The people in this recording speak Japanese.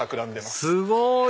すごい！